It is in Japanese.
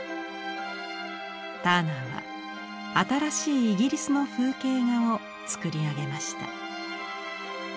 ターナーは新しいイギリスの風景画をつくり上げました。